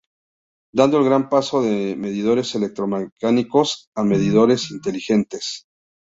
Dando el gran paso de medidores electromecánicos a medidores inteligentes.